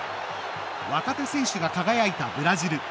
若手選手が輝いたブラジル。